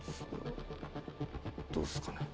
どうっすかね。